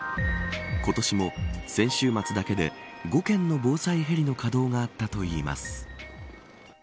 今年も先週末だけで５件の防災ヘリの稼働があったといいます。